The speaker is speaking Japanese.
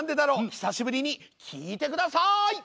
久しぶりに聞いて下さい！